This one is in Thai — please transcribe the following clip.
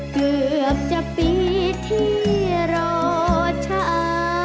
เกือบจะปีที่รอช้า